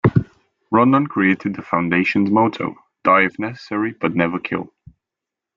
Rondon created the foundation's motto: Die if necessary, but never kill.